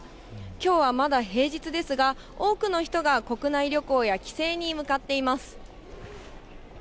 きょうはまだ平日ですが、多くの人が国内旅行や帰省に向かっています。